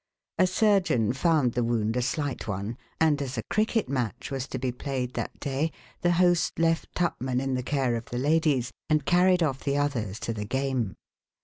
A surgeon found the wound a slight one, and as a cricket match was to be played that day, the host left Tupman in the care of the ladies and carried off the others to the game.